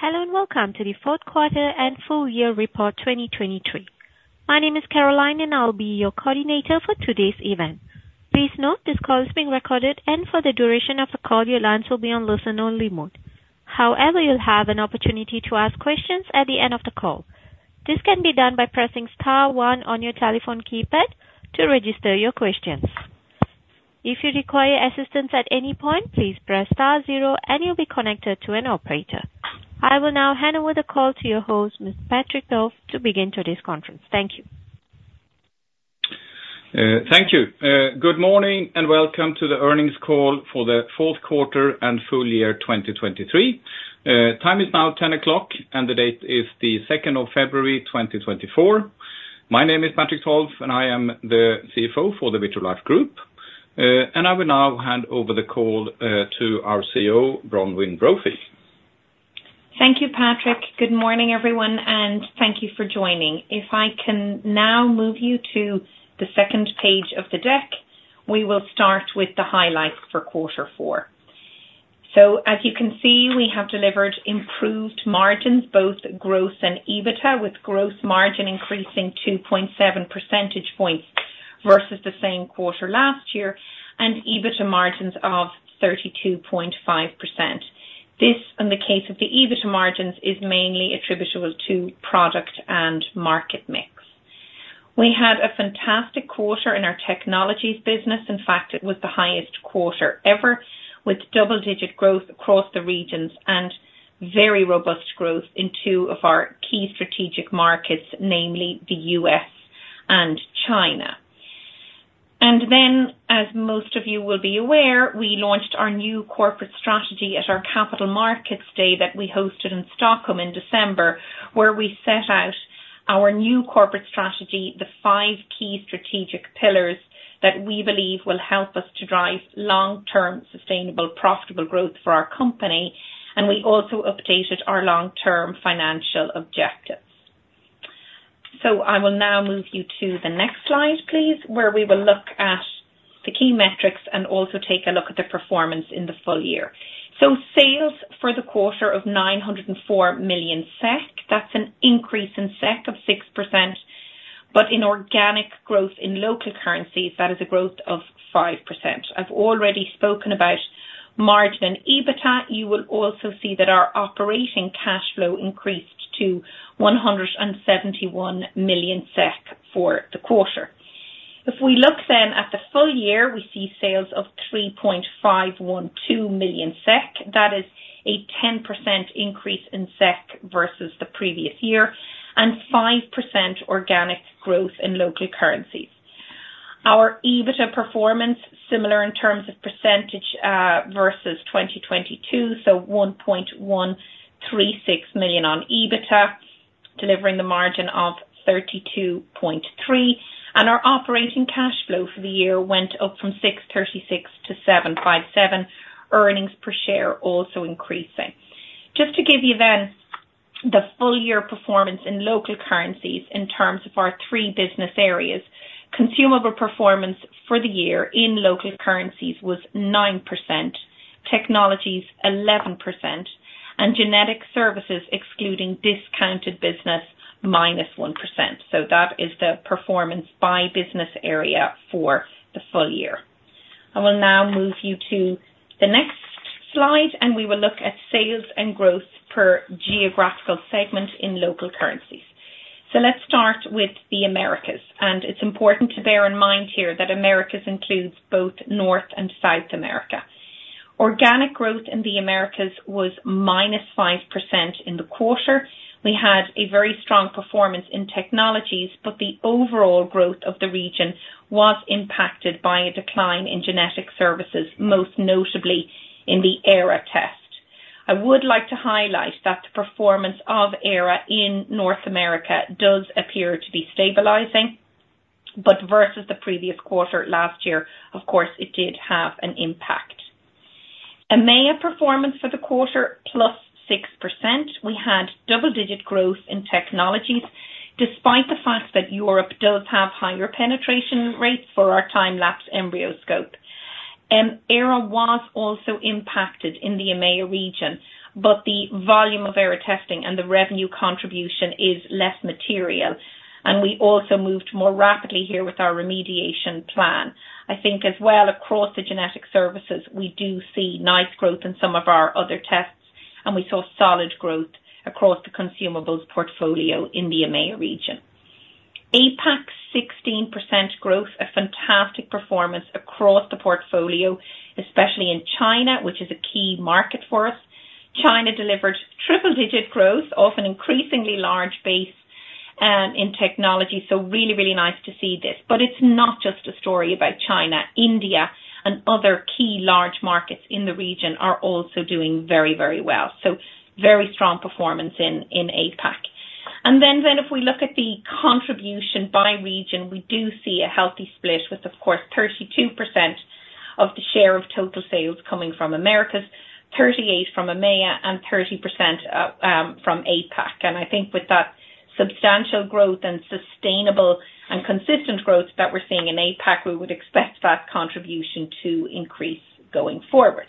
Hello, and welcome to the fourth quarter and full year report 2023. My name is Caroline, and I'll be your coordinator for today's event. Please note, this call is being recorded, and for the duration of the call, your lines will be on listen-only mode. However, you'll have an opportunity to ask questions at the end of the call. This can be done by pressing star one on your telephone keypad to register your questions. If you require assistance at any point, please press star zero, and you'll be connected to an operator. I will now hand over the call to your host, Mr. Patrik Tolf, to begin today's conference. Thank you. Thank you. Good morning, and welcome to the earnings call for the fourth quarter and full year 2023. Time is now 10:00 A.M., and the date is the second of February, 2024. My name is Patrik Tolf, and I am the CFO for the Vitrolife Group. I will now hand over the call to our CEO, Bronwyn Brophy. Thank you, Patrik. Good morning, everyone, and thank you for joining. If I can now move you to the second page of the deck, we will start with the highlights for quarter four. As you can see, we have delivered improved margins, both gross and EBITDA, with gross margin increasing 2.7 percentage points versus the same quarter last year, and EBITDA margins of 32.5%. This, in the case of the EBITDA margins, is mainly attributable to product and market mix. We had a fantastic quarter in our technologies business. In fact, it was the highest quarter ever, with double-digit growth across the regions and very robust growth in two of our key strategic markets, namely the U.S. and China. Then, as most of you will be aware, we launched our new corporate strategy at our Capital Markets Day that we hosted in Stockholm in December, where we set out our new corporate strategy, the five key strategic pillars that we believe will help us to drive long-term, sustainable, profitable growth for our company, and we also updated our long-term financial objectives. I will now move you to the next slide, please, where we will look at the key metrics and also take a look at the performance in the full year. Sales for the quarter of 904 million SEK, that's an increase in SEK of 6%, but in organic growth in local currencies, that is a growth of 5%. I've already spoken about margin and EBITDA. You will also see that our operating cash flow increased to 171 million SEK for the quarter. If we look then at the full year, we see sales of 3.512 million SEK. That is a 10% increase in SEK versus the previous year, and 5% organic growth in local currencies. Our EBITDA performance, similar in terms of percentage, versus 2022, so 1.136 million on EBITDA, delivering the margin of 32.3%. And our operating cash flow for the year went up from 636 million to 757 million. Earnings per share also increasing. Just to give you then the full year performance in local currencies in terms of our three business areas, consumable performance for the year in local currencies was 9%, technologies 11%, and genetic services, excluding discounted business, -1%. So that is the performance by business area for the full year. I will now move you to the next slide, and we will look at sales and growth per geographical segment in local currencies. So let's start with the Americas, and it's important to bear in mind here that Americas includes both North and South America. Organic growth in the Americas was -5% in the quarter. We had a very strong performance in technologies, but the overall growth of the region was impacted by a decline in genetic services, most notably in the ERA test. I would like to highlight that the performance of ERA in North America does appear to be stabilizing, but versus the previous quarter last year, of course, it did have an impact. EMEA performance for the quarter, plus 6%. We had double-digit growth in technologies, despite the fact that Europe does have higher penetration rates for our time-lapse EmbryoScope. ERA was also impacted in the EMEA region, but the volume of ERA testing and the revenue contribution is less material, and we also moved more rapidly here with our remediation plan. I think as well across the genetic services, we do see nice growth in some of our other tests, and we saw solid growth across the consumables portfolio in the EMEA region. APAC, 16% growth, a fantastic performance across the portfolio, especially in China, which is a key market for us. China delivered triple-digit growth, off an increasingly large base, in technology, so really, really nice to see this. But it's not just a story about China. India and other key large markets in the region are also doing very, very well. So very strong performance in APAC. And then if we look at the contribution by region, we do see a healthy split with, of course, 32% of the share of total sales coming from Americas, 38% from EMEA, and 30% from APAC. And I think with that substantial growth and sustainable and consistent growth that we're seeing in APAC, we would expect that contribution to increase going forward.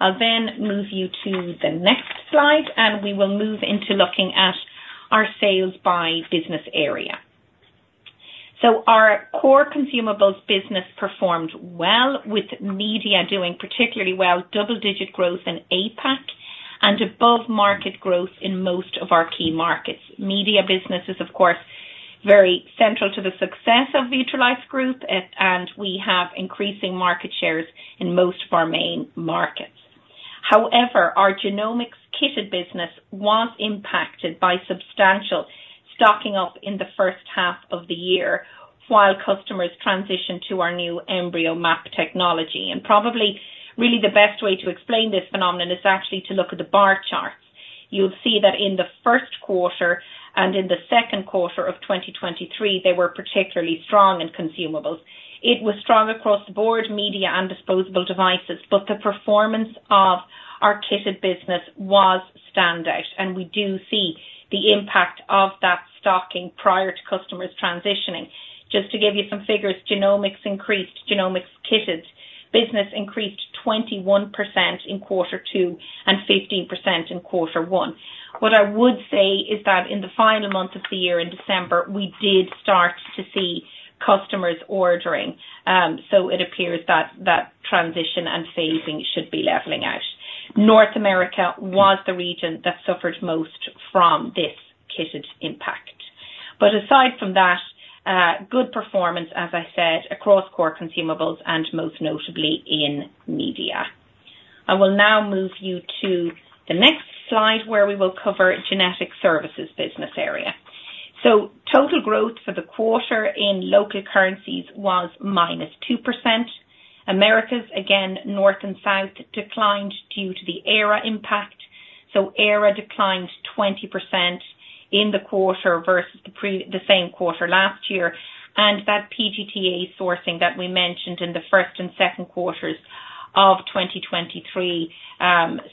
I'll then move you to the next slide, and we will move into looking at our sales by business area. So our core consumables business performed well, with media doing particularly well, double-digit growth in APAC, and above-market growth in most of our key markets. Media business is, of course, very central to the success of Vitrolife Group, and, and we have increasing market shares in most of our main markets. However, our genomics kitted business was impacted by substantial stocking up in the first half of the year, while customers transitioned to our new EmbryoMap technology. And probably, really the best way to explain this phenomenon is actually to look at the bar charts. You'll see that in the first quarter and in the second quarter of 2023, they were particularly strong in consumables. It was strong across the board, media and disposable devices, but the performance of our kitted business was standout, and we do see the impact of that stocking prior to customers transitioning. Just to give you some figures, Genomics increased, Genomics kitted business increased 21% in quarter two and 15% in quarter one. What I would say is that in the final month of the year, in December, we did start to see customers ordering. So it appears that that transition and phasing should be leveling out. North America was the region that suffered most from this kitted impact. But aside from that, good performance, as I said, across core consumables and most notably in media. I will now move you to the next slide, where we will cover genetic services business area. Total growth for the quarter in local currencies was -2%. Americas, again, North and South, declined due to the ERA impact. So ERA declined 20% in the quarter versus the same quarter last year, and that PGT-A insourcing that we mentioned in the first and second quarters of 2023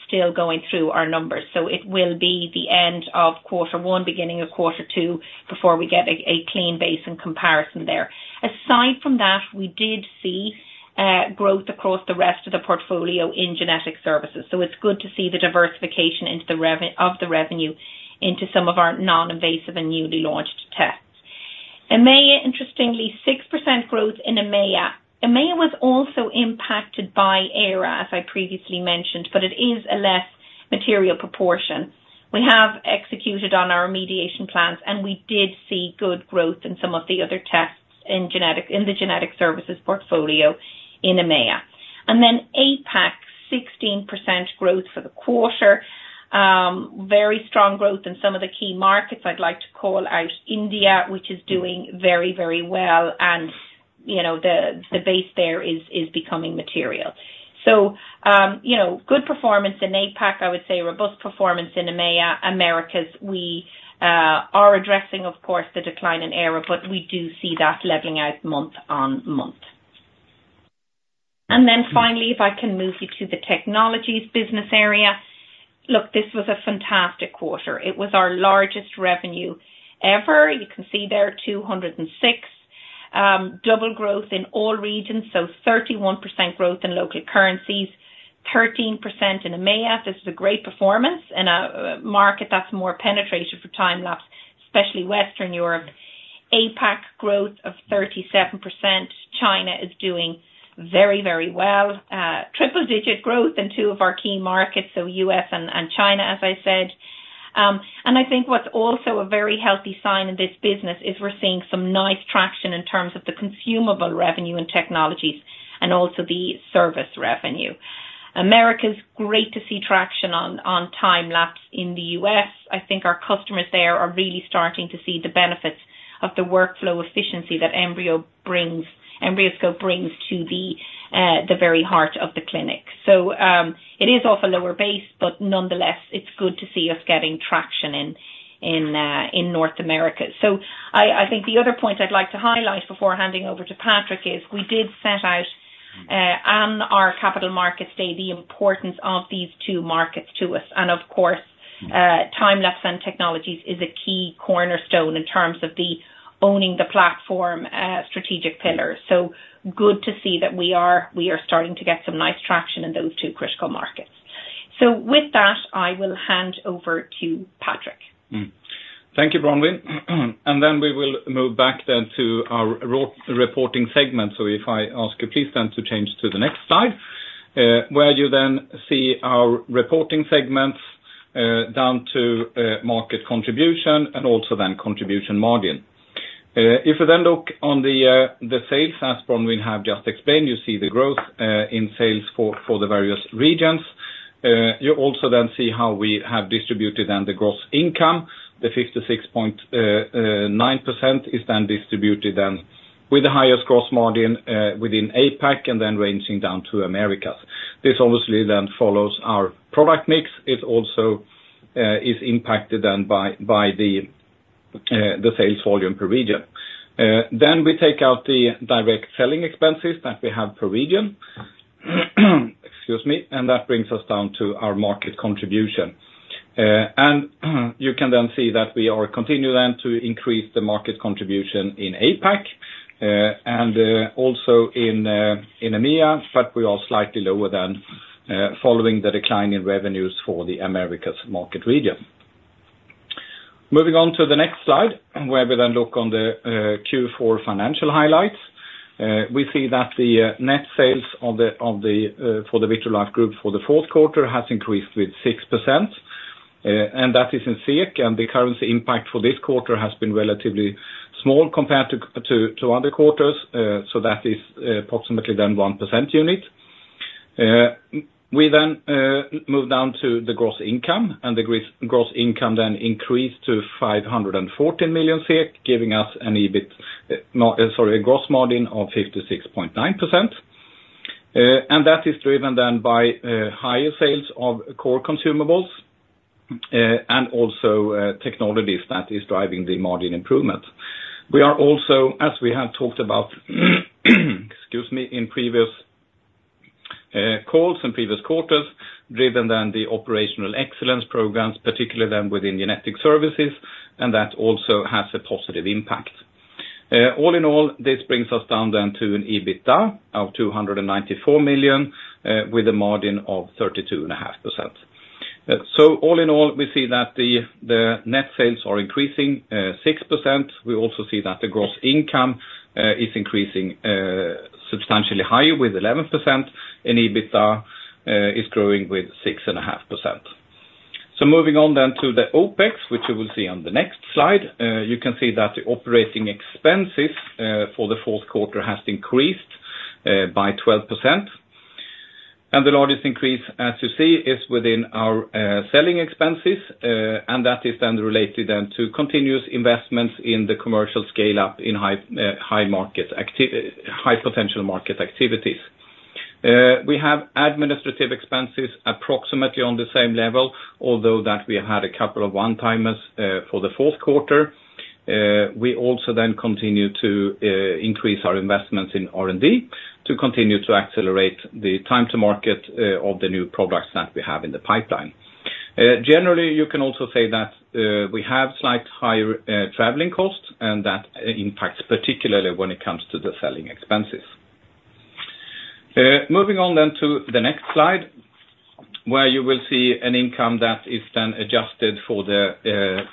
still going through our numbers. So it will be the end of quarter one, beginning of quarter two, before we get a clean base in comparison there. Aside from that, we did see growth across the rest of the portfolio in genetic services, so it's good to see the diversification of the revenue into some of our non-invasive and newly launched tests. EMEA, interestingly, 6% growth in EMEA. EMEA was also impacted by ERA, as I previously mentioned, but it is a less material proportion. We have executed on our remediation plans, and we did see good growth in some of the other tests in the genetic services portfolio in EMEA. And then APAC, 16% growth for the quarter. Very strong growth in some of the key markets. I'd like to call out India, which is doing very, very well, and, you know, the base there is becoming material. So, you know, good performance in APAC, I would say robust performance in EMEA. Americas, we are addressing, of course, the decline in ERA, but we do see that leveling out month-on-month. And then finally, if I can move you to the technologies business area. Look, this was a fantastic quarter. It was our largest revenue ever. You can see there, 206, double growth in all regions, so 31% growth in local currencies, 13% in EMEA. This is a great performance in a market that's more penetrated for time-lapse, especially Western Europe. APAC growth of 37%. China is doing very, very well. Triple-digit growth in two of our key markets, so U.S. and China, as I said. And I think what's also a very healthy sign in this business is we're seeing some nice traction in terms of the consumable revenue and technologies, and also the service revenue. Americas, great to see traction on time-lapse in the U.S. I think our customers there are really starting to see the benefits of the workflow efficiency that EmbryoScope brings to the very heart of the clinic. So, it is off a lower base, but nonetheless, it's good to see us getting traction in North America. So I think the other point I'd like to highlight before handing over to Patrik is, we did set out on our capital markets day, the importance of these two markets to us. And of course, time-lapse and technologies is a key cornerstone in terms of owning the platform, strategic pillar. So good to see that we are starting to get some nice traction in those two critical markets. So with that, I will hand over to Patrik. Thank you, Bronwyn. And then we will move back then to our reporting segment. So if I ask you please then to change to the next slide, where you then see our reporting segments, down to market contribution and also then contribution margin. If you then look on the sales, as Bronwyn have just explained, you see the growth in sales for the various regions. You also then see how we have distributed then the gross income. The 56.9% is then distributed then with the highest gross margin within APAC, and then ranging down to Americas. This obviously then follows our product mix. It also is impacted then by the sales volume per region. Then we take out the direct selling expenses that we have per region. Excuse me, and that brings us down to our market contribution. You can then see that we are continuing then to increase the market contribution in APAC and also in EMEA, but we are slightly lower than following the decline in revenues for the Americas market region. Moving on to the next slide, where we then look on the Q4 financial highlights. We see that the net sales for the Vitrolife Group for the fourth quarter has increased with 6%, and that is in SEK, and the currency impact for this quarter has been relatively small compared to other quarters, so that is approximately then 1% unit. We then move down to the gross income, and the gross income then increased to 514 million SEK, giving us an EBIT, no, sorry, a gross margin of 56.9%. And that is driven then by higher sales of core consumables and also technologies that is driving the margin improvement. We are also, as we have talked about, excuse me, in previous calls and previous quarters, driven by the operational excellence programs, particularly then within Genetic Services, and that also has a positive impact. All in all, this brings us down then to an EBITDA of 294 million with a margin of 32.5%. So all in all, we see that the net sales are increasing 6%. We also see that the gross income is increasing substantially higher, with 11%, and EBITDA is growing with 6.5%. So moving on then to the OpEx, which you will see on the next slide. You can see that the operating expenses for the fourth quarter has increased by 12%. And the largest increase, as you see, is within our selling expenses, and that is then related then to continuous investments in the commercial scale-up in high potential market activities. We have administrative expenses approximately on the same level, although that we had a couple of one-timers for the fourth quarter. We also then continue to increase our investments in R&D to continue to accelerate the time to market of the new products that we have in the pipeline. Generally, you can also say that we have slight higher traveling costs, and that impacts particularly when it comes to the selling expenses. Moving on then to the next slide, where you will see an income that is then adjusted for the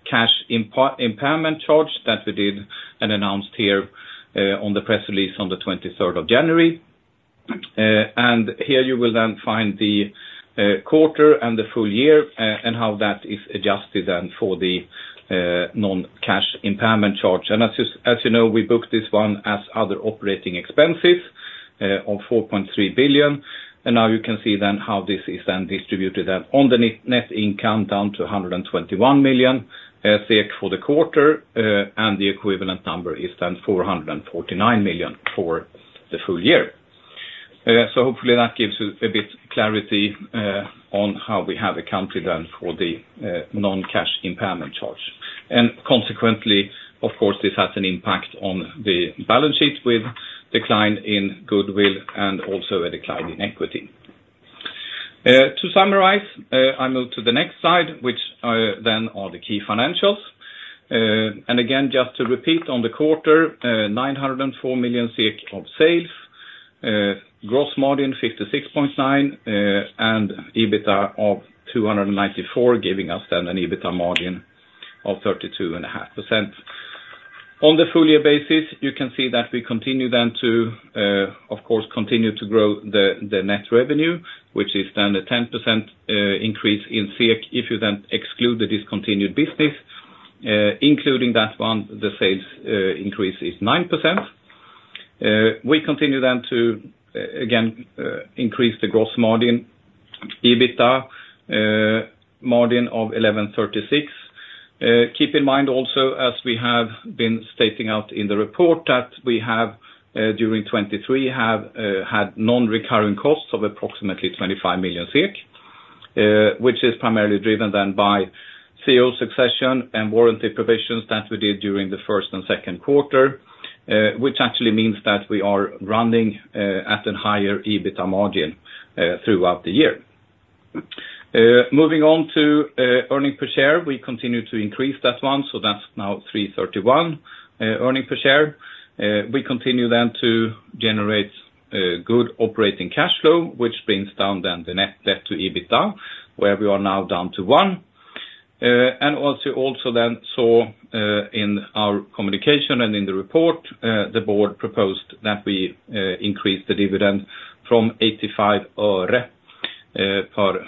non-cash impairment charge that we did and announced here on the press release on the twenty-third of January. And here you will then find the quarter and the full year, and how that is adjusted then for the non-cash impairment charge. And as you, as you know, we book this one as other operating expenses of 4.3 billion. Now you can see then how this is then distributed then on the net income down to 121 million for the quarter, and the equivalent number is then 449 million for the full year. So hopefully that gives you a bit clarity on how we have accounted then for the non-cash impairment charge. And consequently, of course, this has an impact on the balance sheet with decline in goodwill and also a decline in equity. To summarize, I move to the next slide, which then are the key financials. And again, just to repeat on the quarter, 904 million SEK of sales, gross margin 56.9%, and EBITDA of 294 million, giving us then an EBITDA margin of 32.5%. On the full year basis, you can see that we continue then to, of course, continue to grow the net revenue, which is then a 10% increase in SEK, if you then exclude the discontinued business. Including that one, the sales increase is 9%. We continue then to, again, increase the gross margin, EBITDA margin of 1,136. Keep in mind also, as we have been stating in the report, that we have, during 2023, had non-recurring costs of approximately 25 million SEK, which is primarily driven then by CEO succession and warranty provisions that we did during the first and second quarter, which actually means that we are running at a higher EBITDA margin throughout the year. Moving on to earnings per share, we continue to increase that one, so that's now 3.31 earnings per share. We continue then to generate good operating cash flow, which brings down then the net debt to EBITDA, where we are now down to 1. And also, also then saw in our communication and in the report, the board proposed that we increase the dividend from 85 öre per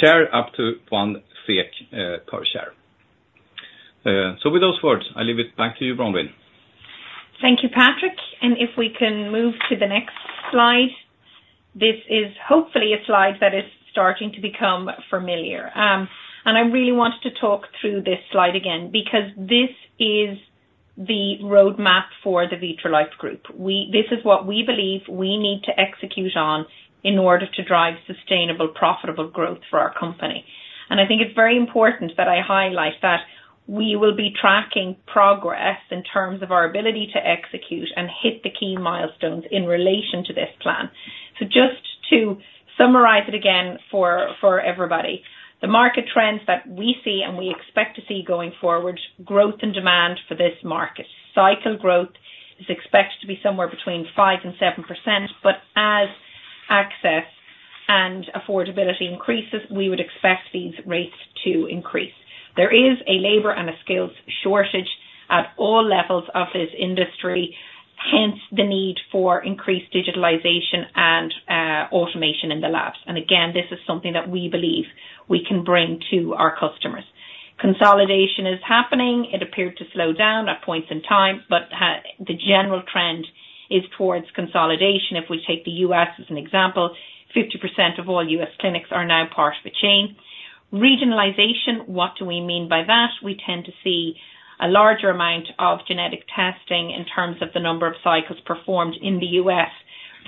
share up to 1 SEK per share. So with those words, I leave it back to you, Bronwyn. Thank you, Patrik. If we can move to the next slide. This is hopefully a slide that is starting to become familiar. And I really wanted to talk through this slide again, because this is the roadmap for the Vitrolife Group. This is what we believe we need to execute on in order to drive sustainable, profitable growth for our company. I think it's very important that I highlight that we will be tracking progress in terms of our ability to execute and hit the key milestones in relation to this plan. Just to summarize it again, for everybody, the market trends that we see and we expect to see going forward, growth and demand for this market. Cycle growth is expected to be somewhere between 5%-7%, but as access and affordability increases, we would expect these rates to increase. There is a labor and a skills shortage at all levels of this industry, hence the need for increased digitalization and automation in the labs. And again, this is something that we believe we can bring to our customers. Consolidation is happening. It appeared to slow down at points in time, but the general trend is towards consolidation. If we take the U.S. as an example, 50% of all U.S. clinics are now part of a chain. Regionalization, what do we mean by that? We tend to see a larger amount of genetic testing in terms of the number of cycles performed in the U.S.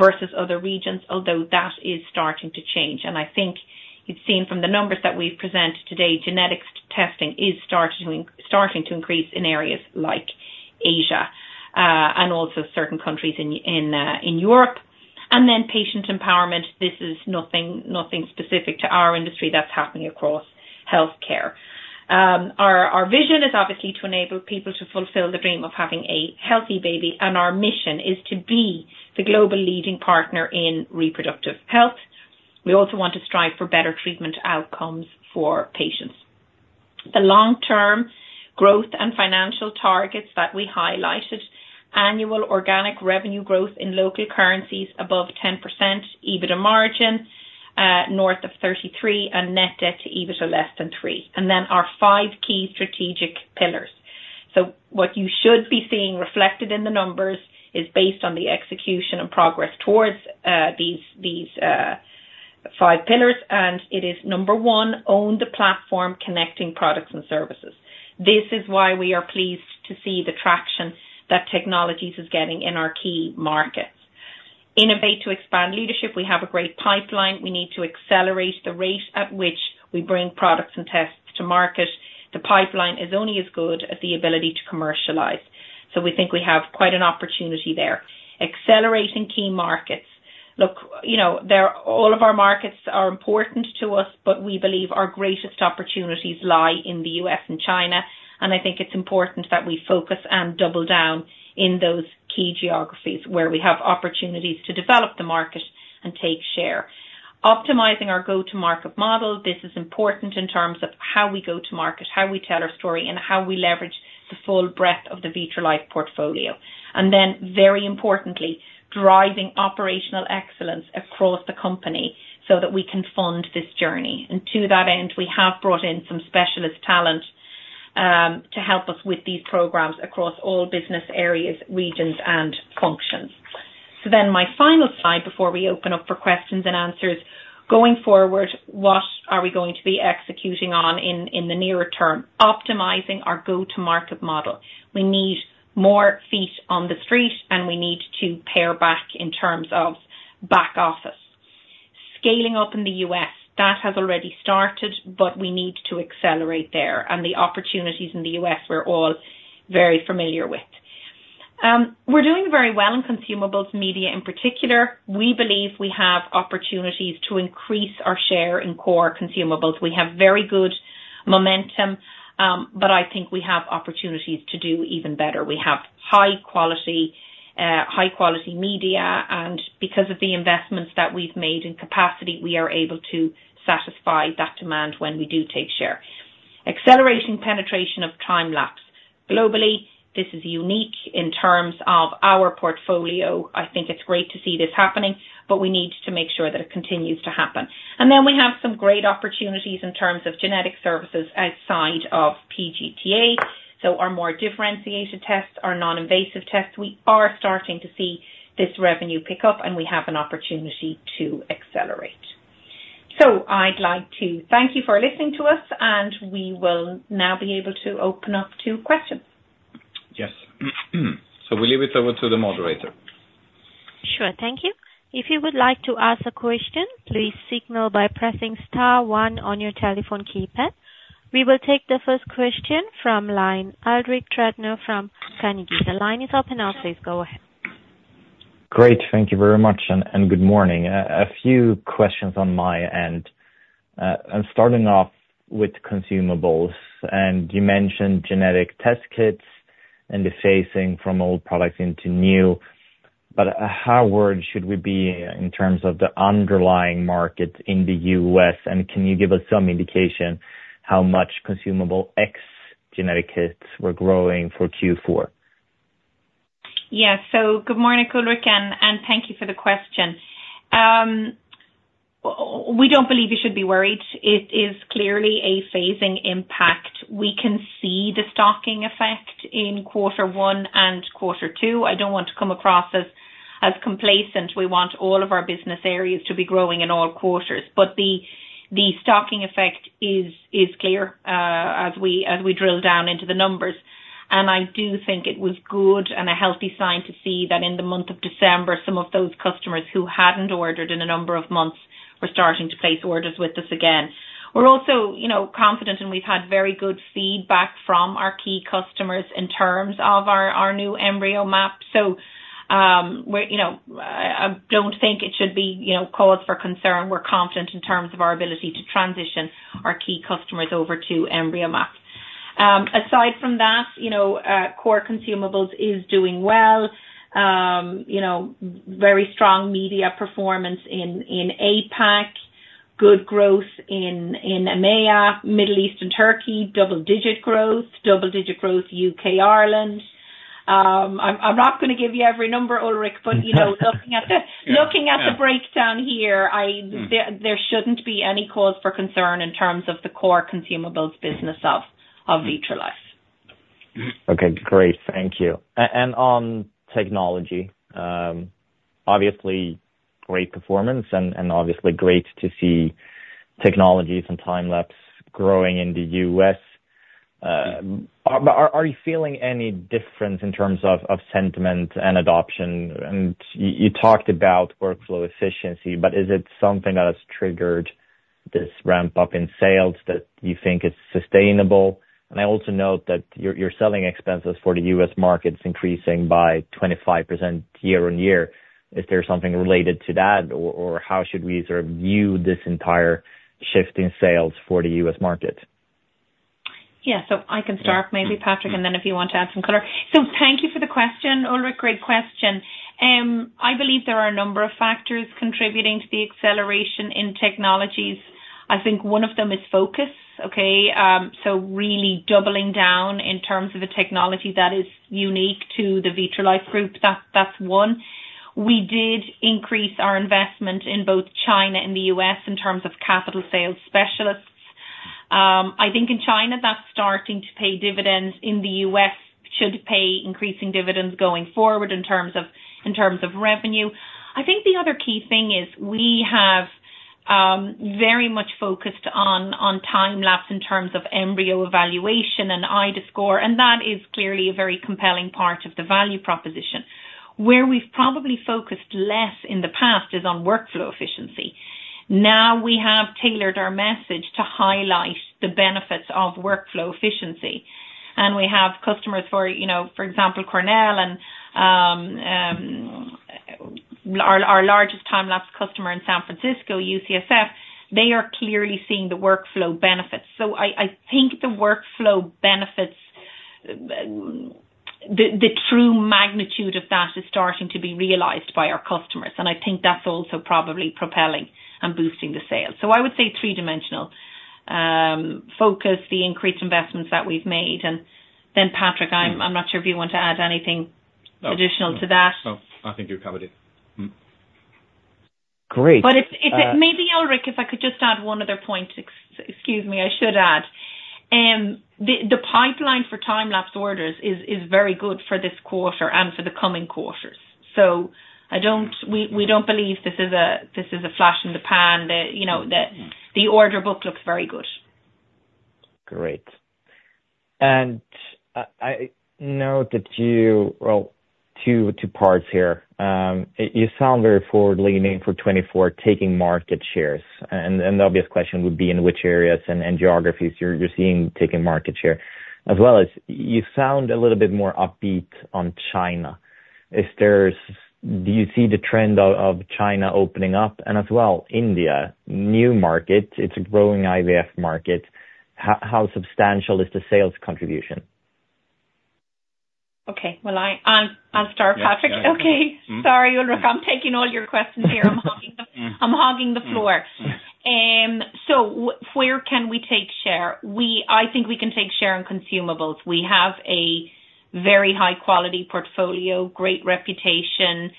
versus other regions, although that is starting to change. I think you've seen from the numbers that we've presented today, genetics testing is starting to increase in areas like Asia and also certain countries in Europe. Then patient empowerment. This is nothing specific to our industry that's happening across healthcare. Our vision is obviously to enable people to fulfill the dream of having a healthy baby, and our mission is to be the global leading partner in reproductive health. We also want to strive for better treatment outcomes for patients. The long-term growth and financial targets that we highlighted, annual organic revenue growth in local currencies above 10%, EBITDA margin north of 33%, and net debt to EBITDA less than 3, and then our five key strategic pillars. So what you should be seeing reflected in the numbers is based on the execution and progress towards these five pillars, and it is number one, own the platform, connecting products and services. This is why we are pleased to see the traction that Technologies is getting in our key markets. Innovate to expand leadership. We have a great pipeline. We need to accelerate the rate at which we bring products and tests to market. The pipeline is only as good as the ability to commercialize, so we think we have quite an opportunity there. Accelerating key markets. Look, you know, there, all of our markets are important to us, but we believe our greatest opportunities lie in the U.S. and China, and I think it's important that we focus and double down in those key geographies where we have opportunities to develop the market and take share. Optimizing our go-to-market model. This is important in terms of how we go to market, how we tell our story, and how we leverage the full breadth of the Vitrolife portfolio. And then, very importantly, driving operational excellence across the company so that we can fund this journey. And to that end, we have brought in some specialist talent to help us with these programs across all business areas, regions, and functions. So then my final slide before we open up for questions and answers. Going forward, what are we going to be executing on in the nearer term? Optimizing our go-to-market model. We need more feet on the street, and we need to pare back in terms of back office. Scaling up in the U.S. That has already started, but we need to accelerate there, and the opportunities in the U.S., we're all very familiar with. We're doing very well in consumables, media in particular. We believe we have opportunities to increase our share in core consumables. We have very good momentum, but I think we have opportunities to do even better. We have high quality, high quality media, and because of the investments that we've made in capacity, we are able to satisfy that demand when we do take share. Accelerating penetration of time-lapse. Globally, this is unique in terms of our portfolio. I think it's great to see this happening, but we need to make sure that it continues to happen. Then we have some great opportunities in terms of genetic services outside of PGT-A. Our more differentiated tests, our non-invasive tests, we are starting to see this revenue pick up, and we have an opportunity to accelerate. I'd like to thank you for listening to us, and we will now be able to open up to questions. Yes. We leave it over to the moderator. Sure. Thank you. If you would like to ask a question, please signal by pressing star one on your telephone keypad. We will take the first question from line, Ulrik Trattner from Carnegie. The line is open now. Please go ahead. Great. Thank you very much and good morning. A few questions on my end. I'm starting off with consumables, and you mentioned genetic test kits and the phasing from old products into new, but how worried should we be in terms of the underlying market in the U.S.? And can you give us some indication how much consumable X genetic kits were growing for Q4? Yeah. So good morning, Ulrik, and thank you for the question. We don't believe you should be worried. It is clearly a phasing impact. We can see the stocking effect in quarter one and quarter two. I don't want to come across as complacent. We want all of our business areas to be growing in all quarters, but the stocking effect is clear as we drill down into the numbers. I do think it was good and a healthy sign to see that in the month of December, some of those customers who hadn't ordered in a number of months were starting to place orders with us again. We're also, you know, confident, and we've had very good feedback from our key customers in terms of our new EmbryoMap. So, we, you know, I don't think it should be, you know, cause for concern. We're confident in terms of our ability to transition our key customers over to EmbryoMap. Aside from that, you know, core consumables is doing well. You know, very strong media performance in APAC, good growth in EMEA, Middle East and Turkey, double-digit growth, double-digit growth, UK, Ireland. I'm not gonna give you every number, Ulrik, but you know, looking at the- Yeah. Looking at the breakdown here, there shouldn't be any cause for concern in terms of the core consumables business of Vitrolife. Okay, great. Thank you. And on technology, obviously, great performance and obviously great to see technologies and time-lapse growing in the U.S. Are you feeling any difference in terms of sentiment and adoption? And you talked about workflow efficiency, but is it something that has triggered this ramp-up in sales that you think is sustainable? And I also note that your selling expenses for the U.S. market is increasing by 25% year-on-year. Is there something related to that, or how should we sort of view this entire shift in sales for the U.S. market? Yeah. So I can start, maybe Patrik, and then if you want to add some color. So thank you for the question, Ulrik. Great question. I believe there are a number of factors contributing to the acceleration in technologies. I think one of them is focus, okay? So really doubling down in terms of a technology that is unique to the Vitrolife Group, that, that's one. We did increase our investment in both China and the U.S. in terms of capital sales specialists. I think in China, that's starting to pay dividends. In the U.S., should pay increasing dividends going forward in terms of, in terms of revenue. I think the other key thing is we have, very much focused on, on time-lapse in terms of embryo evaluation and iDAScore, and that is clearly a very compelling part of the value proposition. Where we've probably focused less in the past is on workflow efficiency. Now, we have tailored our message to highlight the benefits of workflow efficiency, and we have customers for, you know, for example, Cornell and, our, our largest time-lapse customer in San Francisco, UCSF, they are clearly seeing the workflow benefits. So I, I think the workflow benefits, the, the true magnitude of that is starting to be realized by our customers, and I think that's also probably propelling and boosting the sales. So I would say three-dimensional, focus, the increased investments that we've made, and then, Patrik, I'm, I'm not sure if you want to add anything- No Additional to that. No, I think you covered it. Great. But it's. Maybe, Ulrik, if I could just add one other point. Excuse me, I should add. The pipeline for time-lapse orders is very good for this quarter and for the coming quarters. So we don't believe this is a flash in the pan, that, you know, that the order book looks very good. Great. And I note that you... Well, two parts here. You sound very forward-leaning for 2024, taking market shares, and the obvious question would be, in which areas and geographies you're seeing taking market share. As well as, you sound a little bit more upbeat on China. Is there do you see the trend of China opening up and as well, India, new market, it's a growing IVF market, how substantial is the sales contribution? Okay, well, I'll start, Patrik. Yeah. Okay. Sorry, Ulrik, I'm taking all your questions here. I'm hogging the floor. So where can we take share? I think we can take share in consumables. We have a very high quality portfolio, great reputation,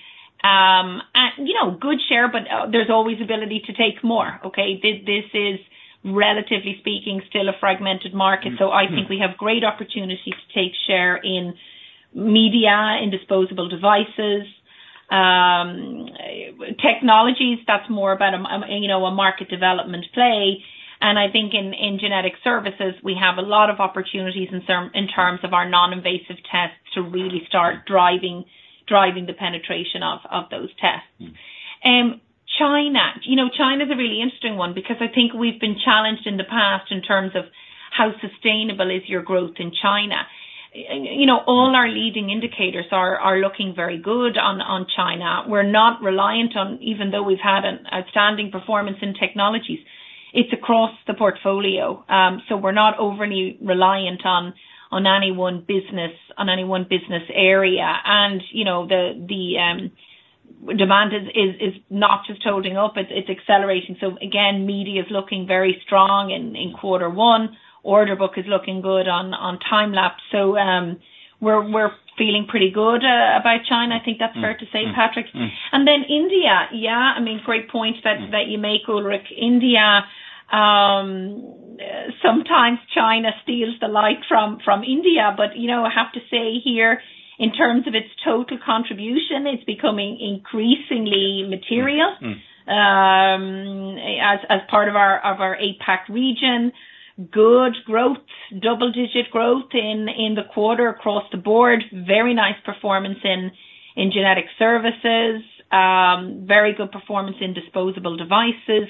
and, you know, good share, but there's always ability to take more, okay? This is, relatively speaking, still a fragmented market. So I think we have great opportunity to take share in media, in disposable devices. Technologies, that's more about, you know, a market development play. And I think in genetic services, we have a lot of opportunities in terms of our non-invasive tests to really start driving the penetration of those tests. China. You know, China's a really interesting one because I think we've been challenged in the past in terms of how sustainable is your growth in China. You know, all our leading indicators are looking very good on China. We're not reliant on... Even though we've had an outstanding performance in technologies, it's across the portfolio. So we're not overly reliant on any one business, on any one business area. And, you know, the demand is not just holding up, it's accelerating. So again, EMEA is looking very strong in quarter one. Order book is looking good on time-lapse. So, we're feeling pretty good about China. I think that's fair to say, Patrik. And then India, yeah, I mean, great point that, that you make, Ulrik. India, sometimes China steals the light from India, but, you know, I have to say here. In terms of its total contribution, it's becoming increasingly material, as part of our APAC region. Good growth, double-digit growth in the quarter across the board. Very nice performance in genetic services, very good performance in disposable devices.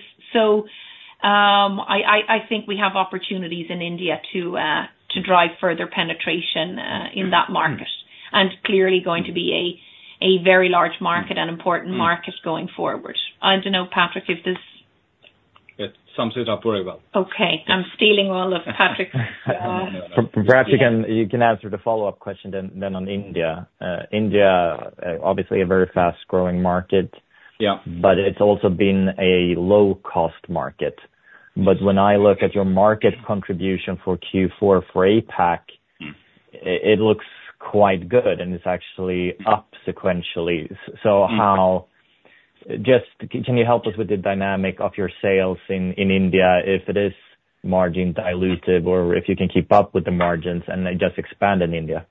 So, I think we have opportunities in India to drive further penetration in that market, and clearly going to be a very large market and important market going forward. I don't know, Patrik, if this- It sums it up very well. Okay. I'm stealing all of Patrik's. Perhaps you can answer the follow-up question then on India. India, obviously a very fast-growing market. Yeah. But it's also been a low-cost market. But when I look at your market contribution for Q4 for APAC, it looks quite good, and it's actually up sequentially. So how just can you help us with the dynamic of your sales in India, if it is margin dilutive, or if you can keep up with the margins and then just expand in India?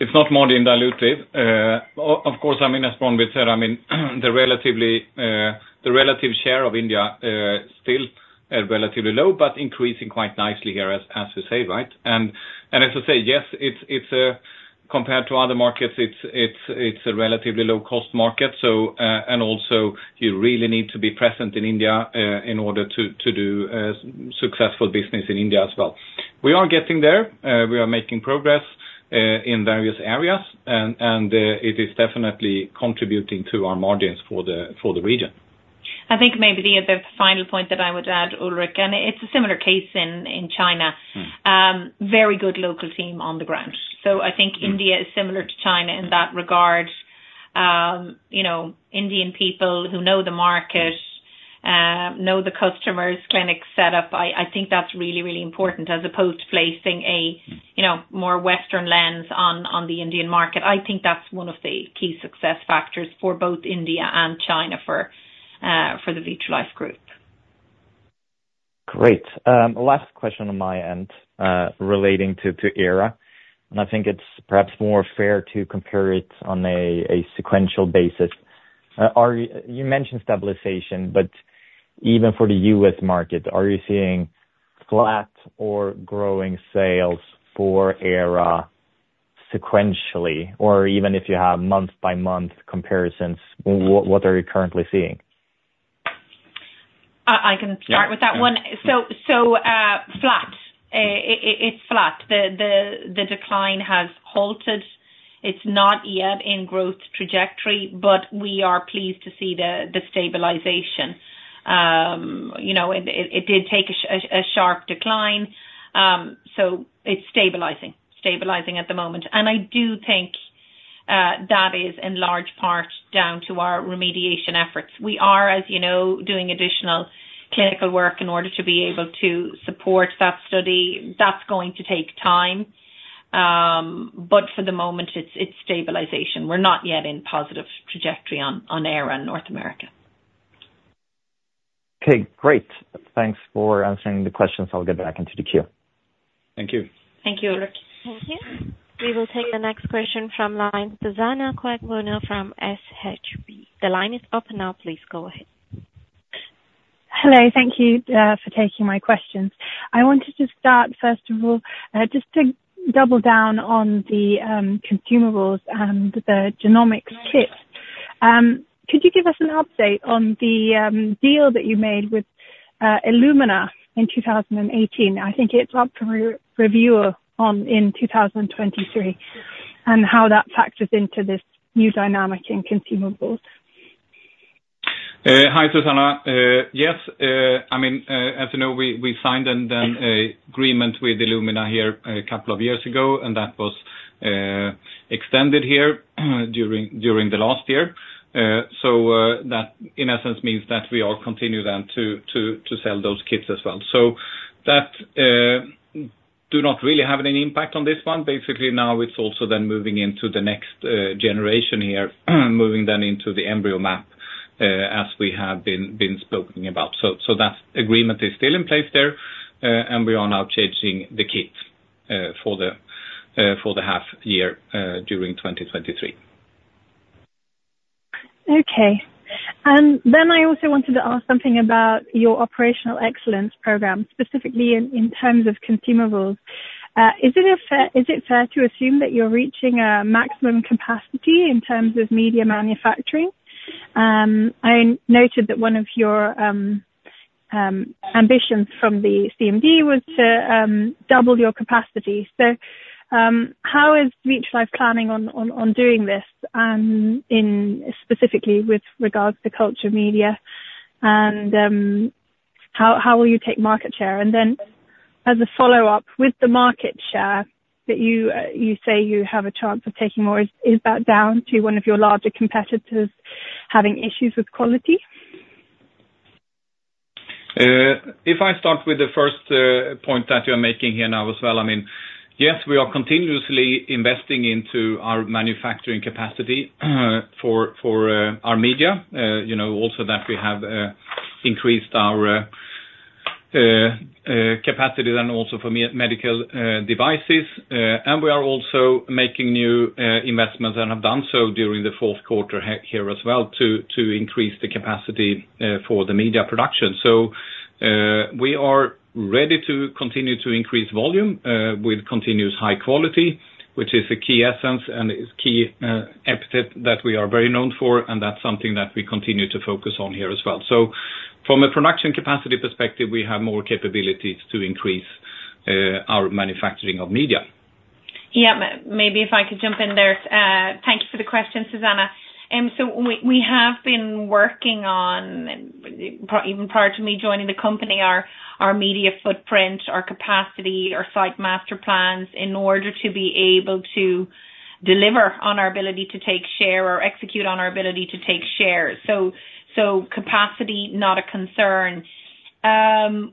It's not margin dilutive. Of course, I mean, as Bronwyn said, I mean, the relative share of India still are relatively low, but increasing quite nicely here, as you say, right? And as I say, yes, it's compared to other markets, it's a relatively low-cost market. So, and also, you really need to be present in India in order to do successful business in India as well. We are getting there. We are making progress in various areas, and it is definitely contributing to our margins for the region. I think maybe the final point that I would add, Ulrik, and it's a similar case in China. Very good local team on the ground. So I think India is similar to China in that regard. You know, Indian people who know the market, know the customers, clinic set up, I, I think that's really, really important, as opposed to placing a, you know, more Western lens on, on the Indian market. I think that's one of the key success factors for both India and China for, for the Vitrolife Group. Great. Last question on my end, relating to ERA, and I think it's perhaps more fair to compare it on a sequential basis. Are you? You mentioned stabilization, but even for the U.S. market, are you seeing flat or growing sales for ERA sequentially, or even if you have month-by-month comparisons, what are you currently seeing? I can start with that one. Flat. It's flat. The decline has halted. It's not yet in growth trajectory, but we are pleased to see the stabilization. You know, it did take a sharp decline, so it's stabilizing at the moment. And I do think that is in large part down to our remediation efforts. We are, as you know, doing additional clinical work in order to be able to support that study. That's going to take time, but for the moment, it's stabilization. We're not yet in positive trajectory on ERA in North America. Okay, great. Thanks for answering the questions. I'll get back into the queue. Thank you. Thank you, Ulrik. Thank you. We will take the next question from line, [Susanna Quagmuno from SHB]. The line is open now. Please go ahead. Hello. Thank you for taking my questions. I wanted to start, first of all, just to double down on the consumables and the genomics kit. Could you give us an update on the deal that you made with Illumina in 2018? I think it's up for re-review in 2023, and how that factors into this new dynamic in consumables. Hi, Susanna. Yes, I mean, as you know, we signed an agreement with Illumina a couple of years ago, and that was extended during the last year. So, that in essence means that we all continue to sell those kits as well. So that does not really have any impact on this one. Basically now it's also moving into the next generation, moving into the EmbryoMap as we have been speaking about. So, that agreement is still in place there, and we are now changing the kit for the half year during 2023. Okay. And then I also wanted to ask something about your operational excellence program, specifically in terms of consumables. Is it fair to assume that you're reaching a maximum capacity in terms of media manufacturing? I noted that one of your ambitions from the CMD was to double your capacity. So, how is Vitrolife planning on doing this? And specifically with regards to culture media, and how will you take market share? And then as a follow-up, with the market share that you say you have a chance of taking more, is that down to one of your larger competitors having issues with quality? If I start with the first point that you're making here now as well, I mean, yes, we are continuously investing into our manufacturing capacity, for our media. You know, also that we have increased our capacity then also for medical devices. And we are also making new investments and have done so during the fourth quarter here as well to increase the capacity for the media production. So, we are ready to continue to increase volume with continuous high quality, which is a key essence and is key aspect that we are very known for, and that's something that we continue to focus on here as well. So from a production capacity perspective, we have more capabilities to increase our manufacturing of media. Yeah, maybe if I could jump in there. Thank you for the question, Susanna. And so we, we have been working on, even prior to me joining the company, our, our media footprint, our capacity, our site master plans, in order to be able to deliver on our ability to take share or execute on our ability to take share. So, so capacity, not a concern.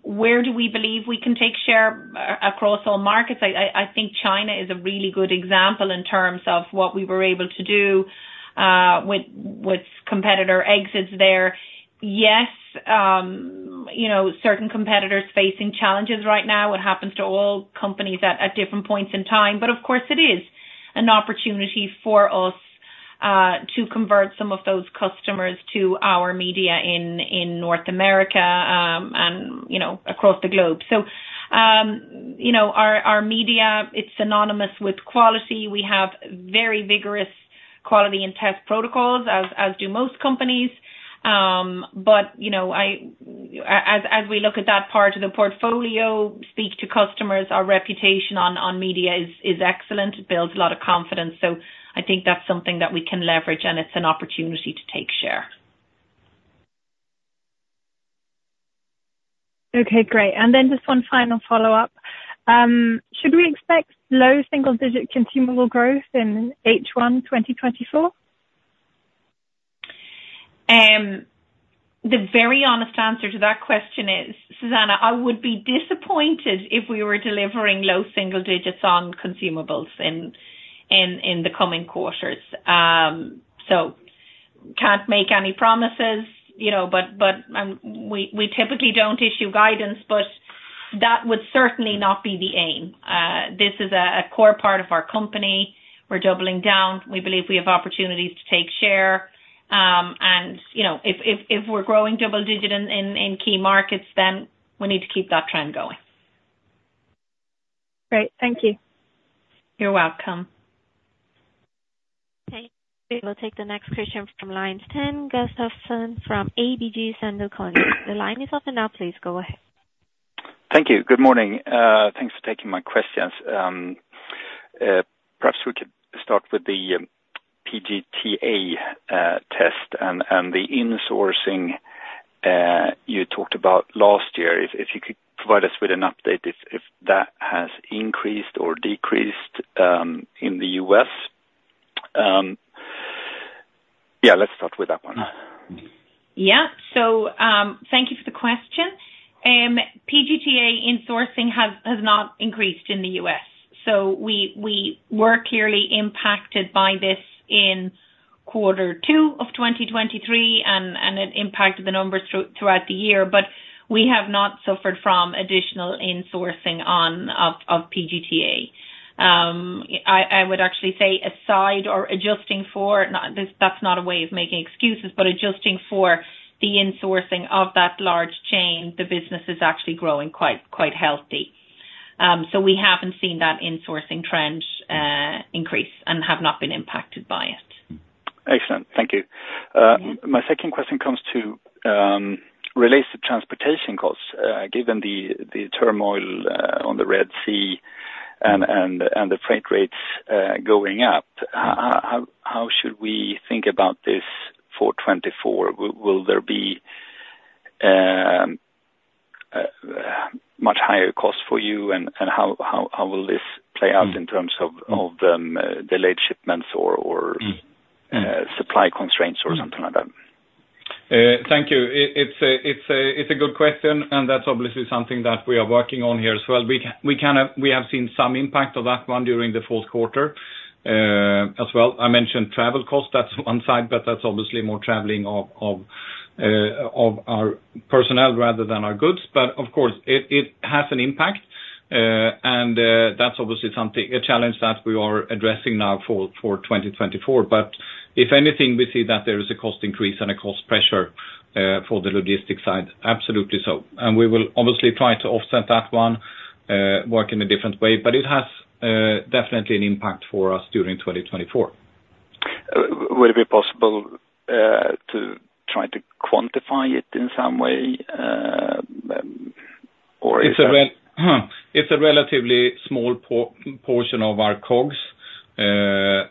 Where do we believe we can take share across all markets? I, I, I think China is a really good example in terms of what we were able to do, with competitor exits there. You know, certain competitors facing challenges right now, it happens to all companies at, at different points in time. But of course, it is an opportunity for us, to convert some of those customers to our media in, in North America, and, you know, across the globe. So, you know, our, our media, it's synonymous with quality. We have very vigorous quality and test protocols, as, as do most companies. But, you know, as, as we look at that part of the portfolio, speak to customers, our reputation on, on media is, is excellent, it builds a lot of confidence. So I think that's something that we can leverage, and it's an opportunity to take share. Okay, great. Just one final follow-up. Should we expect low single digit consumable growth in H1, 2024? The very honest answer to that question is, Susanna, I would be disappointed if we were delivering low single digits on consumables in the coming quarters. So can't make any promises, you know, but we typically don't issue guidance, but that would certainly not be the aim. This is a core part of our company. We're doubling down. We believe we have opportunities to take share. You know, if we're growing double digit in key markets, then we need to keep that trend going. Great. Thank you. You're welcome. Okay, we'll take the next question from Sten Gustafsson from ABG Sundal Collier. The line is open now, please go ahead. Thank you. Good morning. Thanks for taking my questions. Perhaps we could start with the PGT-A test and the insourcing you talked about last year. If you could provide us with an update, if that has increased or decreased in the U.S. Yeah, let's start with that one. Yeah. So, thank you for the question. PGT-A insourcing has not increased in the U.S., so we were clearly impacted by this in quarter two of 2023, and it impacted the numbers throughout the year, but we have not suffered from additional insourcing of PGT-A. I would actually say aside or adjusting for, not this, that's not a way of making excuses, but adjusting for the insourcing of that large chain, the business is actually growing quite healthy. So we haven't seen that insourcing trend increase and have not been impacted by it. Excellent. Thank you. My second question relates to transportation costs. Given the turmoil on the Red Sea and the freight rates going up, how should we think about this for 2024? Will there be much higher costs for you? And how will this play out in terms of delayed shipments or supply constraints or something like that? Thank you. It's a good question, and that's obviously something that we are working on here as well. We have seen some impact of that one during the fourth quarter, as well. I mentioned travel costs, that's one side, but that's obviously more traveling of our personnel rather than our goods. But of course, it has an impact, and that's obviously something, a challenge that we are addressing now for 2024. But if anything, we see that there is a cost increase and a cost pressure for the logistics side. Absolutely so. And we will obviously try to offset that one, work in a different way, but it has definitely an impact for us during 2024. Would it be possible to try to quantify it in some way, or is that- It's a relatively small portion of our costs. But